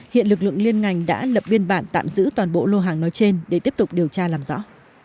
hiện lực lượng liên ngành đã lập biên bản tạm giữ toàn bộ lô hàng nói trên để tiếp tục điều tra làm rõ